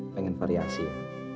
pengen variasi ya